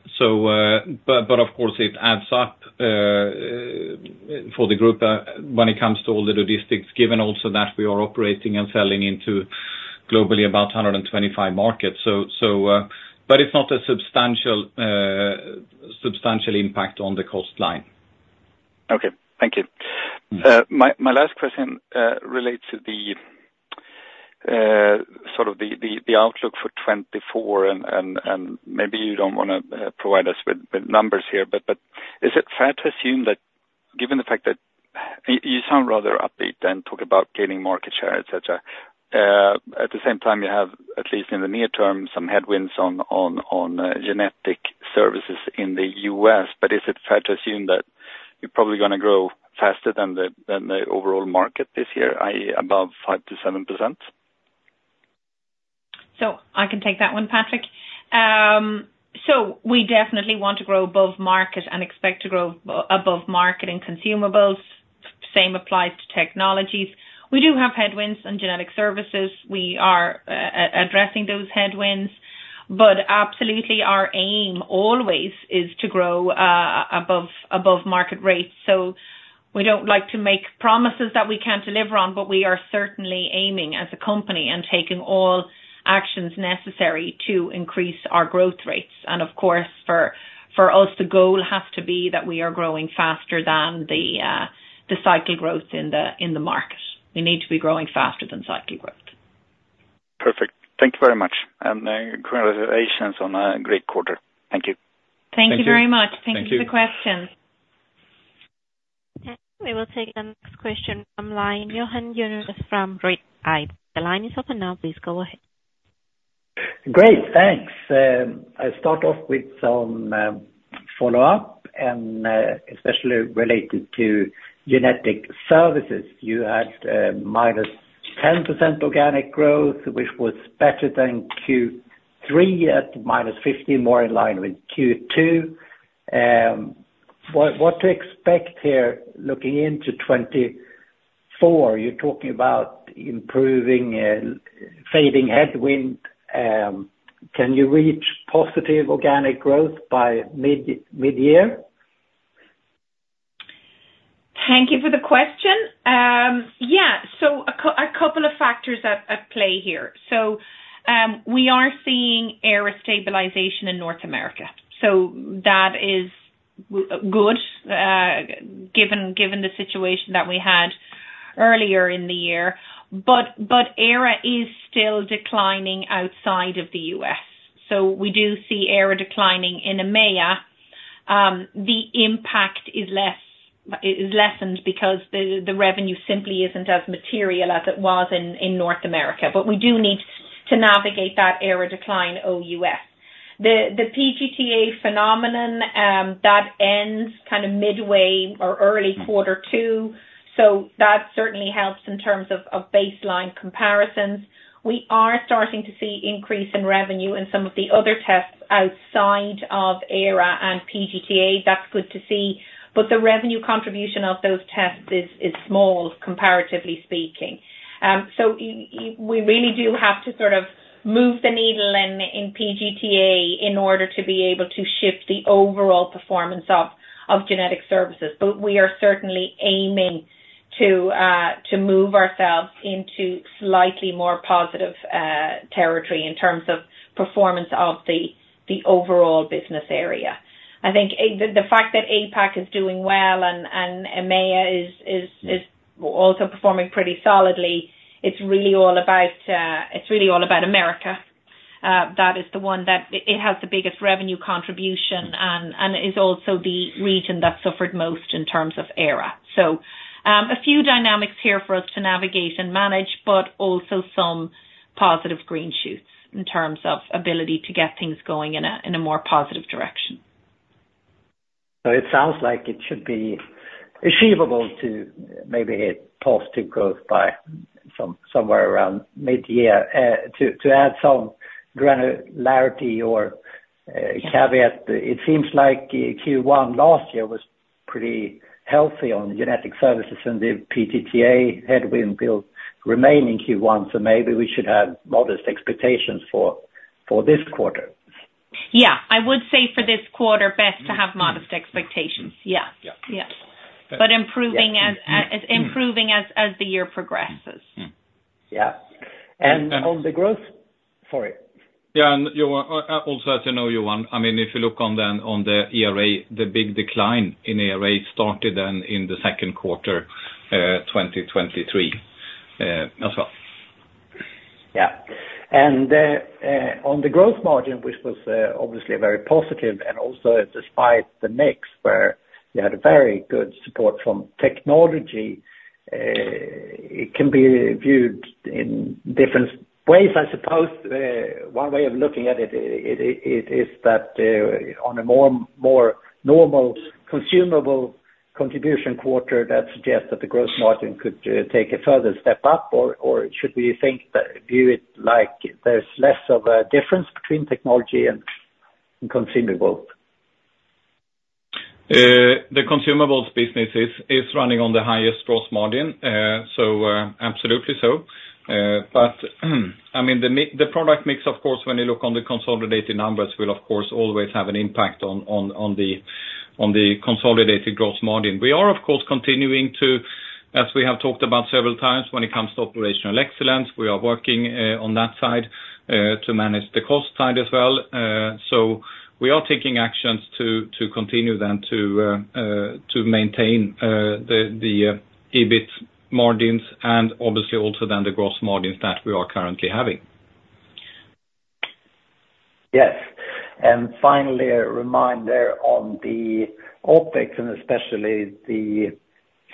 of course, it adds up for the group when it comes to all the logistics, given also that we are operating and selling into globally about 125 markets. But it's not a substantial impact on the cost line. Okay. Thank you. My last question relates to the outlook for 2024, and maybe you don't wanna provide us with numbers here, but is it fair to assume that given the fact that you sound rather upbeat and talk about gaining market share, et cetera. At the same time, you have, at least in the near term, some headwinds on genetic services in the U.S. But is it fair to assume that you're probably gonna grow faster than the overall market this year, i.e., above 5%-7%? So I can take that one, Patrik. So we definitely want to grow above market and expect to grow above market in consumables. Same applies to technologies. We do have headwinds in genetic services. We are addressing those headwinds. But absolutely, our aim always is to grow above market rates. So we don't like to make promises that we can't deliver on, but we are certainly aiming as a company and taking all actions necessary to increase our growth rates. And of course, for us, the goal has to be that we are growing faster than the cycle growth in the market. We need to be growing faster than cycle growth. Perfect. Thank you very much. Congratulations on a great quarter. Thank you. Thank you very much. Thank you. Thank you for the question. We will take the next question from line, Johan Unnérus from Redeye. The line is open now. Please go ahead. Great, thanks. I start off with some follow-up, and especially related to genetic services. You had -10% organic growth, which was better than Q3 at -50%, more in line with Q2. What to expect here looking into 2024? You're talking about improving, fading headwind. Can you reach positive organic growth by mid-year? Thank you for the question. Yeah, so a couple of factors at play here. So, we are seeing ERA stabilization in North America, so that is good, given the situation that we had earlier in the year. But ERA is still declining outside of the U.S., so we do see ERA declining in EMEA. The impact is lessened because the revenue simply isn't as material as it was in North America. But we do need to navigate that ERA decline OUS. The PGT-A phenomenon that ends kind of midway or early quarter two, so that certainly helps in terms of baseline comparisons. We are starting to see increase in revenue in some of the other tests outside of ERA and PGT-A. That's good to see. But the revenue contribution of those tests is small, comparatively speaking. So we really do have to sort of move the needle in PGT-A, in order to be able to shift the overall performance of genetic services. But we are certainly aiming to move ourselves into slightly more positive territory in terms of performance of the overall business area. I think the fact that APAC is doing well and EMEA is also performing pretty solidly, it's really all about America. That is the one that has the biggest revenue contribution and is also the region that suffered most in terms of ERA. So, a few dynamics here for us to navigate and manage, but also some positive green shoots in terms of ability to get things going in a more positive direction. So it sounds like it should be achievable to maybe hit positive growth by somewhere around midyear. To add some granularity or caveat, it seems like Q1 last year was pretty healthy on genetic services, and the PGT-A headwind will remain in Q1, so maybe we should have modest expectations for this quarter. Yeah. I would say for this quarter, best to have modest expectations. Yeah. Yeah. Yes. That's- But improving as Improving as the year progresses. Mm. Yeah. And on the growth for it? Yeah, and Johan, also, as you know, Johan, I mean, if you look on the, on the ERA, the big decline in ERA started in, in the second quarter, 2023, as well. Yeah. And on the growth margin, which was obviously very positive and also despite the mix, where you had a very good support from technology, it can be viewed in different ways, I suppose. One way of looking at it, it is that on a more normal consumable contribution quarter, that suggests that the growth margin could take a further step up, or should we think view it like there's less of a difference between technology and consumable? The Consumables business is running on the highest gross margin, so absolutely so. But, I mean, the product mix, of course, when you look on the consolidated numbers, will of course always have an impact on the consolidated gross margin. We are, of course, continuing to, as we have talked about several times, when it comes to operational excellence, we are working on that side to manage the cost side as well. So, we are taking actions to continue then to maintain the EBIT margins and obviously also then the gross margins that we are currently having. Yes. And finally, a reminder on the OpEx and especially the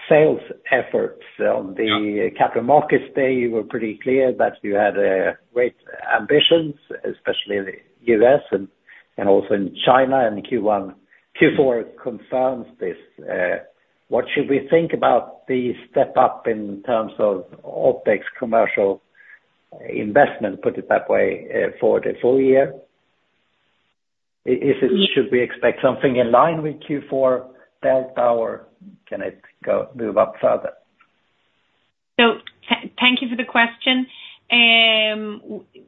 sales efforts on the capital markets. They were pretty clear that you had great ambitions, especially in the U.S. and also in China, and Q4 confirms this. What should we think about the step up in terms of OpEx commercial investment, put it that way, for the full year? Is it, should we expect something in line with Q4, delta, or can it go, move up further? Thank you for the question.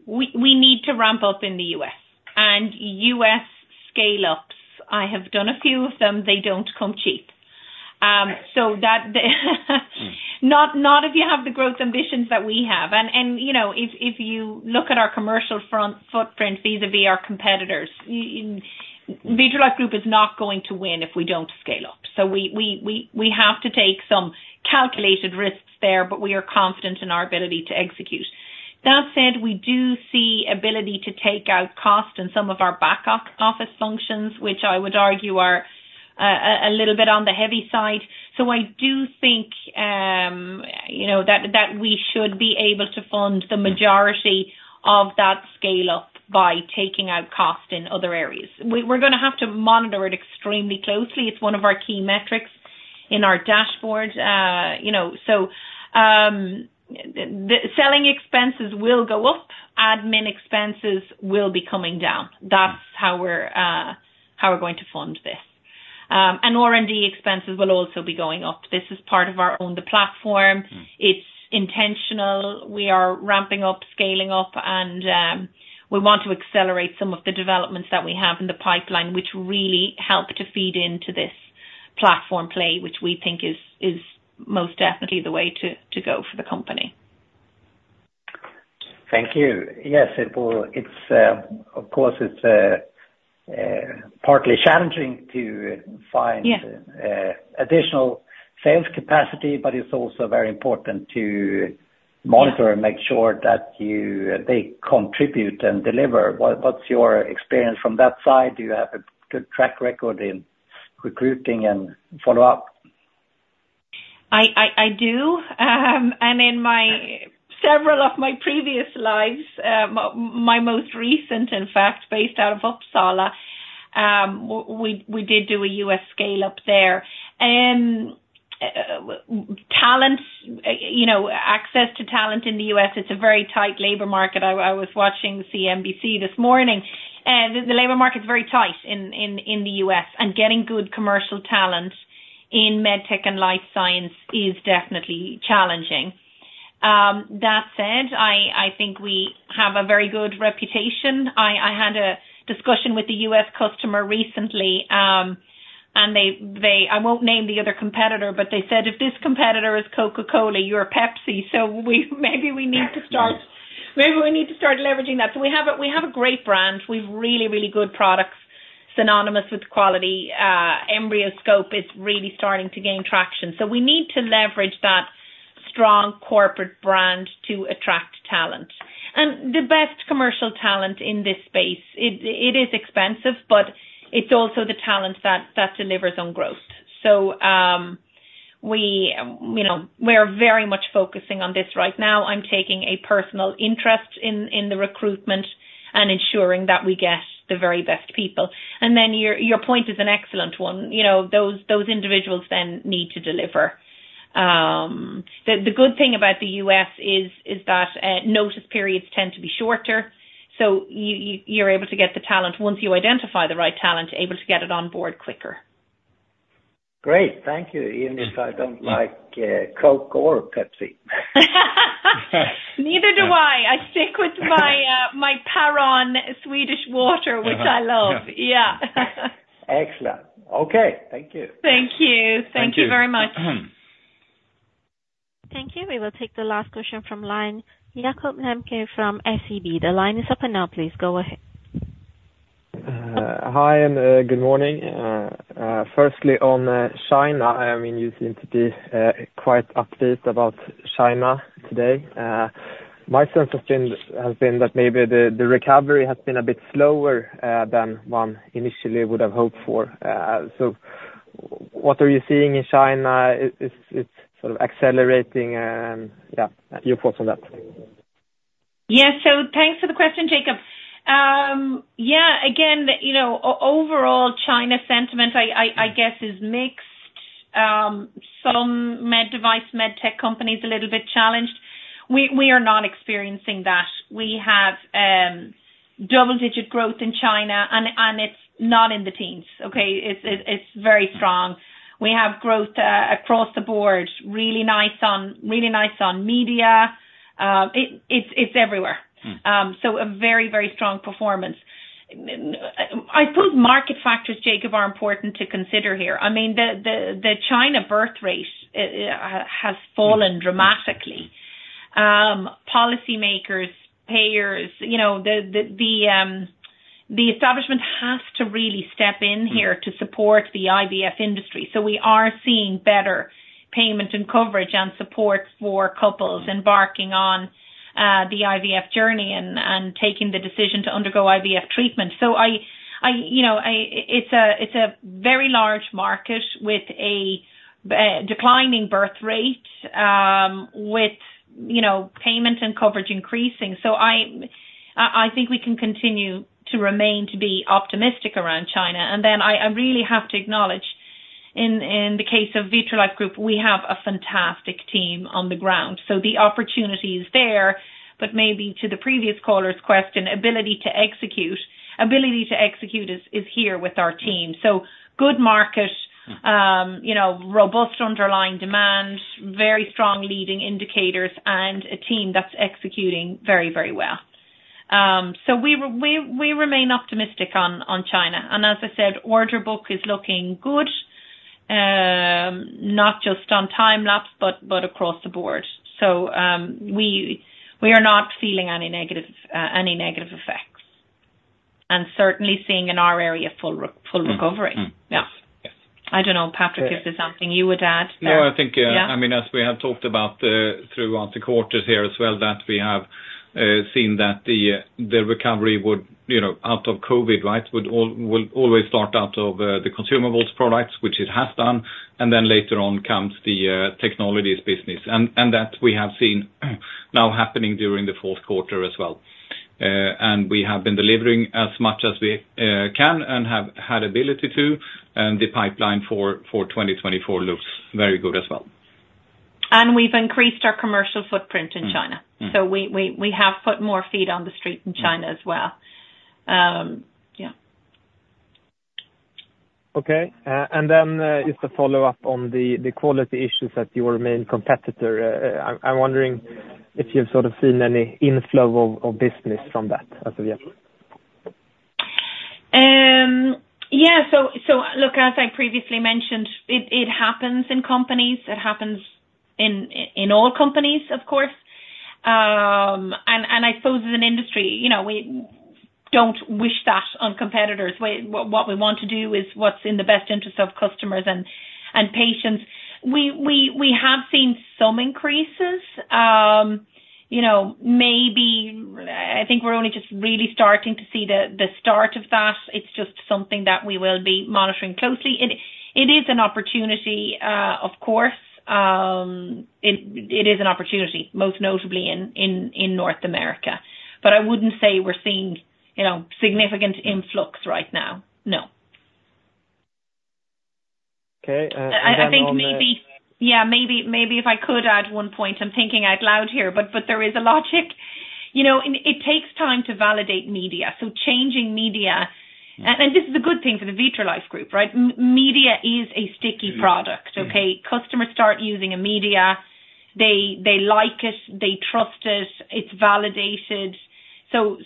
We need to ramp up in the U.S., and U.S. scale-ups, I have done a few of them, they don't come cheap. So that's not if you have the growth ambitions that we have. And you know, if you look at our commercial footprint vis-à-vis our competitors, Vitrolife Group is not going to win if we don't scale up. So we have to take some calculated risks there, but we are confident in our ability to execute. That said, we do see ability to take out cost in some of our back-office functions, which I would argue are a little bit on the heavy side. So I do think, you know, that we should be able to fund the majority of that scale-up by taking out cost in other areas. We're gonna have to monitor it extremely closely. It's one of our key metrics in our dashboard. You know, so, the selling expenses will go up, admin expenses will be coming down. That's how we're going to fund this. And R&D expenses will also be going up. This is part of our own, the platform. It's intentional. We are ramping up, scaling up, and we want to accelerate some of the developments that we have in the pipeline, which really help to feed into this platform play, which we think is most definitely the way to go for the company. Thank you. Yes, it will. It's, of course, it's partly challenging to find- Yeah... additional sales capacity, but it's also very important to monitor and make sure that you, they contribute and deliver. What's your experience from that side? Do you have a good track record in recruiting and follow-up? I do. And in my several previous slides, my most recent, in fact, based out of Uppsala, we did do a U.S. scale-up there. You know, access to talent in the U.S., it's a very tight labor market. I was watching CNBC this morning, and the labor market is very tight in the U.S, and getting good commercial talent in med tech and life science is definitely challenging. That said, I think we have a very good reputation. I had a discussion with a U.S. customer recently, and they—I won't name the other competitor, but they said: "If this competitor is Coca-Cola, you're Pepsi." So we maybe we need to start- Maybe we need to start leveraging that. So we have a, we have a great brand. We've really, really good products, synonymous with quality. EmbryoScope is really starting to gain traction. So we need to leverage that strong corporate brand to attract talent. And the best commercial talent in this space, it, it is expensive, but it's also the talent that, that delivers on growth. So, we, you know, we're very much focusing on this right now. I'm taking a personal interest in, in the recruitment and ensuring that we get the very best people. And then your, your point is an excellent one. You know, those, those individuals then need to deliver. The good thing about the U.S. is that notice periods tend to be shorter, so you're able to get the talent, once you identify the right talent, able to get it on board quicker. Great. Thank you. Even I don't like Coke or Pepsi. Neither do I. I stick with my, my Päron Swedish water, which I love. Uh-huh. Yeah. Excellent. Okay. Thank you. Thank you. Thank you. Thank you very much. Thank you. We will take the last question from line, Jakob Lembke from SEB. The line is open now. Please go ahead. Hi, and good morning. Firstly, on China, I mean, you seem to be quite upbeat about China today. My sense of things has been that maybe the recovery has been a bit slower than one initially would have hoped for. So what are you seeing in China? Is it sort of accelerating? Yeah, your thoughts on that. Yes. So thanks for the question, Jakob. Yeah, again, the, you know, overall China sentiment, I guess, is mixed. Some med device, med tech companies a little bit challenged. We are not experiencing that. We have double-digit growth in China, and it's not in the teens, okay? It's very strong. We have growth across the board, really nice on media. It's everywhere. So a very, very strong performance. I think market factors, Jakob, are important to consider here. I mean, the China birth rate has fallen dramatically. Policymakers, payers, you know, the establishment has to really step in here to support the IVF industry. So we are seeing better payment and coverage and support for couples embarking on the IVF journey and taking the decision to undergo IVF treatment. So I, you know, it's a very large market with a declining birth rate, with payment and coverage increasing. So I think we can continue to remain to be optimistic around China. And then I really have to acknowledge, in the case of Vitrolife Group, we have a fantastic team on the ground. So the opportunity is there, but maybe to the previous caller's question, ability to execute. Ability to execute is here with our team. So good market, you know, robust underlying demand, very strong leading indicators, and a team that's executing very, very well. So we remain optimistic on China, and as I said, order book is looking good, not just on time-lapse, but across the board. So we are not feeling any negative effects, and certainly seeing in our area full recovery. Yeah. Yes. I don't know, Patrik, is there something you would add there? No, I think, Yeah. I mean, as we have talked about, throughout the quarter here as well, that we have seen that the recovery would, you know, out of COVID, right, always start out of the consumables products, which it has done, and then later on comes the technologies business. And that we have seen now happening during the fourth quarter as well. And we have been delivering as much as we can and have had ability to, and the pipeline for 2024 looks very good as well. We've increased our commercial footprint in China. So we have put more feet on the street in China as well. Yeah. Okay. And then, just to follow up on the quality issues that your main competitor, I'm wondering if you've sort of seen any inflow of business from that as of yet? Yeah, so look, as I previously mentioned, it happens in companies. It happens in all companies, of course. And I suppose as an industry, you know, we don't wish that on competitors. What we want to do is what's in the best interest of customers and patients. We have seen some increases, you know, maybe I think we're only just really starting to see the start of that. It's just something that we will be monitoring closely, and it is an opportunity, of course. It is an opportunity, most notably in North America. But I wouldn't say we're seeing, you know, significant influx right now. No. Okay, and then on the- I think maybe... Yeah, maybe if I could add one point. I'm thinking out loud here, but there is a logic. You know, and it takes time to validate media, so changing media. This is a good thing for the Vitrolife Group, right? Media is a sticky product. Okay? Customers start using a media. They like us, they trust us, it's validated. So,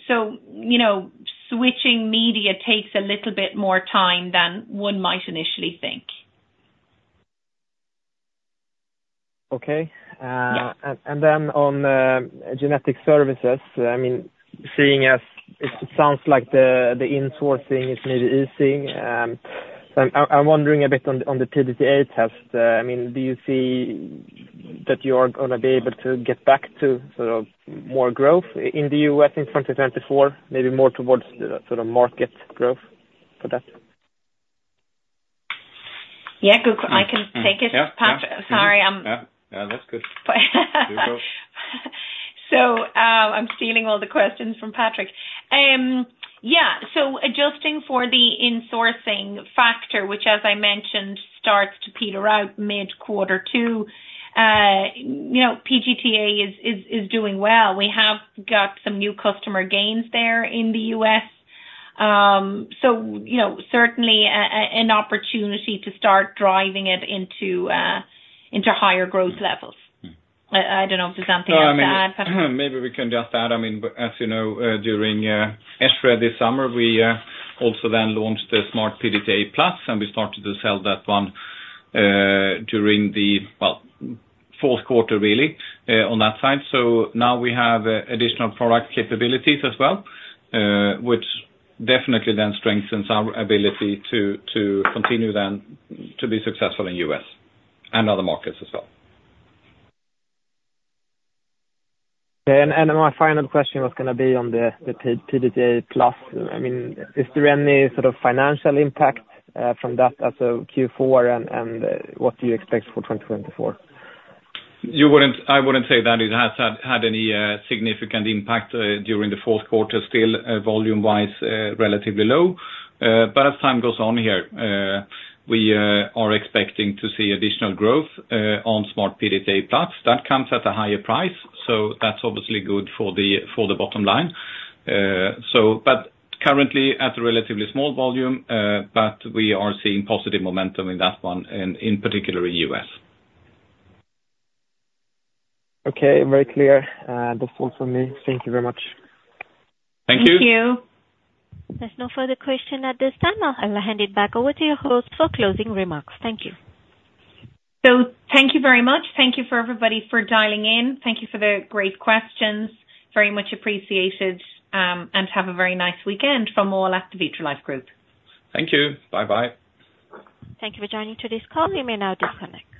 you know, switching media takes a little bit more time than one might initially think. Okay. And then on genetic services, I mean, seeing as it sounds like the insourcing is maybe easing, I'm wondering a bit on the PGT-A test. I mean, do you see that you are gonna be able to get back to sort of more growth in the U.S. in 2024, maybe more towards the sort of market growth for that? Yeah, good question. I can take it, Patrik. Yeah, yeah. Sorry I'm- Yeah. Yeah, that's good. There you go. I'm stealing all the questions from Patrik. Yeah, so adjusting for the insourcing factor, which as I mentioned, starts to peter out mid-quarter two, you know, PGT-A is doing well. We have got some new customer gains there in the U.S. So, you know, certainly an opportunity to start driving it into higher growth levels. I don't know if there's something else to add, Patrik. Well, I mean, maybe we can just add, I mean, but as you know, during ESHRE this summer, we also then launched the Smart PGT-A Plus, and we started to sell that one during the, well, fourth quarter, really, on that side. So now we have additional product capabilities as well, which definitely then strengthens our ability to continue then to be successful in U.S. and other markets as well. Okay, and my final question was gonna be on the PGT-A Plus. I mean, is there any sort of financial impact from that as of Q4, and what do you expect for 2024? I wouldn't say that it has had any significant impact during the fourth quarter. Still, volume-wise, relatively low. But as time goes on here, we are expecting to see additional growth on Smart PGT-A Plus. That comes at a higher price, so that's obviously good for the bottom line. So but currently at a relatively small volume, but we are seeing positive momentum in that one, and in particular in U.S. Okay, very clear. That's all from me. Thank you very much. Thank you. Thank you. There's no further question at this time. I'll hand it back over to your host for closing remarks. Thank you. Thank you very much. Thank you for everybody for dialing in. Thank you for the great questions. Very much appreciated, and have a very nice weekend from all at the Vitrolife Group. Thank you. Bye-bye. Thank you for joining today's call. You may now disconnect.